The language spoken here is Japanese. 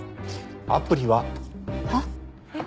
アプリは。はっ？えっ？